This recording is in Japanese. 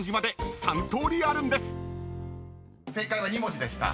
［正解は２文字でした。